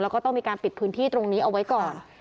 แล้วก็ต้องมีการปิดพื้นที่ตรงนี้เอาไว้ก่อน